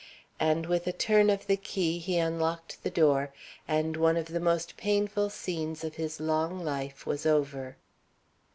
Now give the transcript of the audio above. And with a turn of the key, he unlocked the door, and one of the most painful scenes of his long life was over.